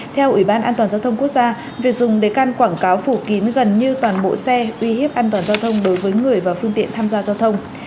theo ủy ban an toàn giao thông quốc gia việc dùng đề can quảng cáo phủ kín gần như toàn bộ xe uy hiếp an toàn giao thông đối với người và phương tiện tham gia giao thông